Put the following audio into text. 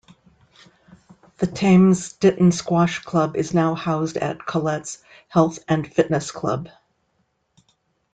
The Thames Ditton Squash Club is now housed at Colets' Health and Fitness Club.